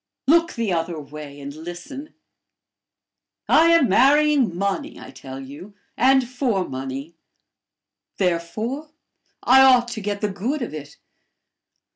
Look the other way, and listen. I am marrying money, I tell you and for money; therefore, I ought to get the good of it.